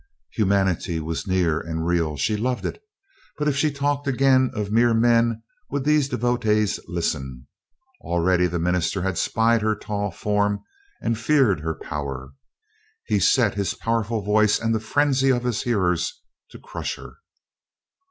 Humanity was near and real. She loved it. But if she talked again of mere men would these devotees listen? Already the minister had spied her tall form and feared her power. He set his powerful voice and the frenzy of his hearers to crush her.